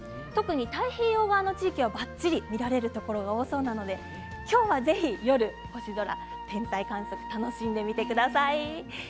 太平洋側の地域はばっちり見られるところが多そうなので、今日はぜひ夜星空を天体観測、楽しんでみてください。